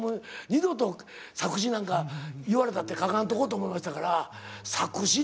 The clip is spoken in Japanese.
二度と作詞なんか言われたって書かんとこと思いましたから作詞って大変ですよね。